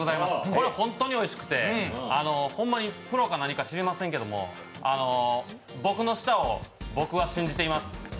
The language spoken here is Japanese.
これは本当においしくて、ほんまにプロか何か知りませんけれども、僕の舌を僕は信じてます。